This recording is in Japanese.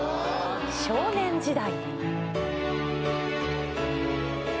少年時代。